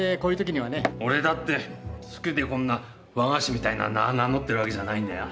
俺だって好きでこんな和菓子みたいな名ぁ名乗ってるわけじゃないんだよ。